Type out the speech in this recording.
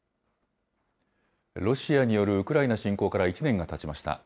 ロシアによるウクライナ侵攻から１年がたちました。